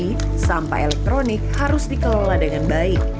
potensi elektronik harus dikelola dengan baik